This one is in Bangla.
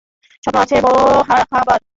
স্বপ্ন আছে বড়ো হবার।